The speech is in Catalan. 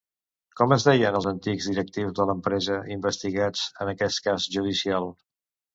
Com es deien els antics directius de l'empresa investigats en aquest cas judicial?